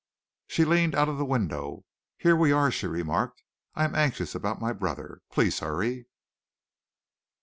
She leaned out of the window. "Here we are," she remarked. "I am anxious about my brother. Please hurry."